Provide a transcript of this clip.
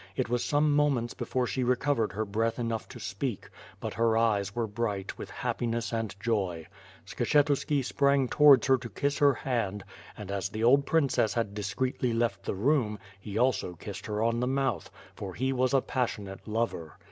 It was some moments before she recovered her breath enough to speak; but her eyes were bright with happiness and joy. Skshetuski sprang towards her to kiss her hand; and, as the old princess had discreetly left the room, he also kissed her on the mouth, for he was a passionate lover.